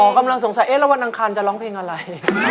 กำลังสงสัยเอ๊ะแล้ววันอังคารจะร้องเพลงอะไร